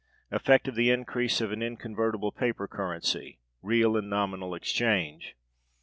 Effect of the increase of an inconvertible paper Currency. Real and nominal exchange.